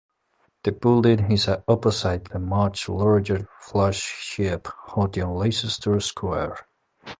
The building is opposite the much larger flagship Odeon Leicester Square.